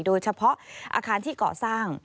โดยเฉพาะอาคารที่เกาะสร้าง